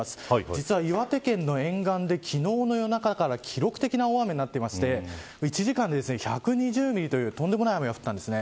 実は岩手県の沿岸で昨日の夜中から記録的な大雨になっていて１時間に１２０ミリというとんでもない雨が降ったんです。